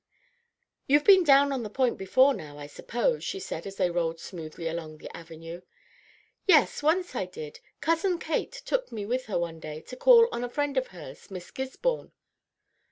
"You've been down on the Point before now, I suppose," she said as they rolled smoothly along the Avenue. "Yes, once I did. Cousin Kate took me with her one day to call on a friend of hers, Miss Gisborne."